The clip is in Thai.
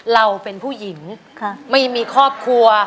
เราเป็นผู้หญิงไม่มีครอบครัว